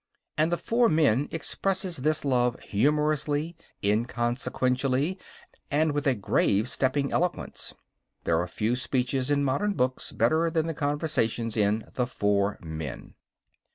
And The Four Men expresses this love humorously, inconsequently, and with a grave stepping eloquence. There are few speeches in modern books better than the conversations in _The Four Men.